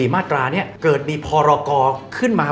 มาตรานี้เกิดมีพรกรขึ้นมา